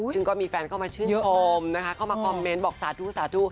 ซึ่งก็มีแฟนเข้ามาชื่นชมนะคะเข้ามาคอมเมนต์บอกสาธุสาธุ